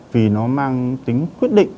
vì nó mang tính quyết định